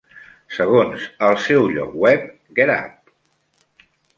Segons el seu lloc web, GetUp!